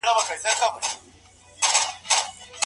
مدني ټولني د ظالمانه سانسور پر ضد سخته مبارزه کوله.